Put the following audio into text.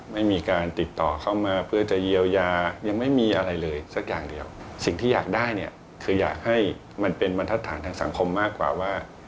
มันเป็นบรรทัดฐานทางสังคมมากกว่าว่า